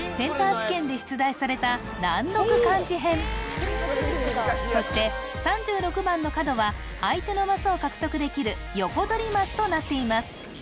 試験で出題された難読漢字編そして３６番の角は相手のマスを獲得できるヨコドリマスとなっています